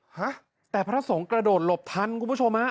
ฮะแต่พระสงฆ์กระโดดหลบทันคุณผู้ชมฮะ